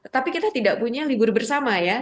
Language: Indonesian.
tapi kita tidak punya libur bersama ya